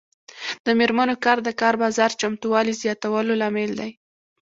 د میرمنو کار د کار بازار چمتووالي زیاتولو لامل دی.